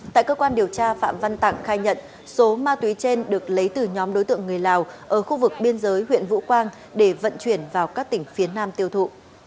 tại cơ quan điều tra phạm văn tặng khai nhận số ma túy trên được lấy từ nhóm đối tượng người lào ở khu vực biên giới huyện vũ quang để vận chuyển vào các tỉnh phía nam tiêu thụ